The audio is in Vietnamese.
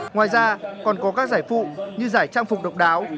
ngoài ra còn có các giải phụ như giải trang phục độc đáo